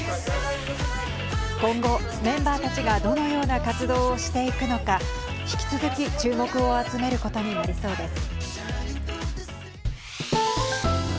今後、メンバーたちがどのような活動をしていくのか引き続き、注目を集めることになりそうです。